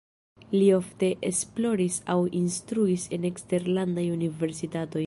Li ofte esploris aŭ instruis en eksterlandaj universitatoj.